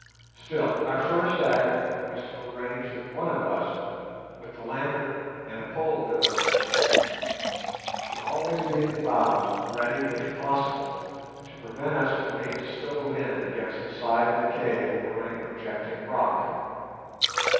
Still, our first act was to arrange that one of us, with the lantern and a pole there was in the canoe, should always be in the bows ready, if possible, to prevent us from being stove in against the side of the cave or any projecting rock.